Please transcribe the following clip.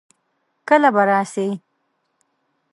کله به راسې؟